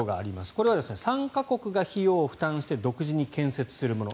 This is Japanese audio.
これは参加国が費用を負担して独自に建設するもの。